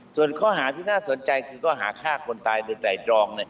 ส่วนข้อหาที่น่าสนใจคือก็หาค่าคนตายด้วยใจรอง